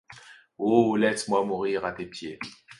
Oh ! laisse-moi mourir à tes pieds !